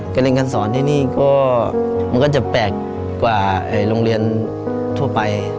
การเรียนการสอนที่นี่ก็มันก็จะแปลกกว่าโรงเรียนทั่วไป